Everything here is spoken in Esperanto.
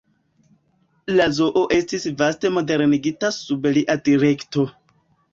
La zoo estis vaste modernigita sub lia direkto.